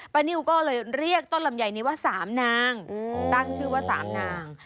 ปะนิวก็เรียกต้นลำใหญ่นี้ว่าสามนางตั้งชื่อว่าสามนาง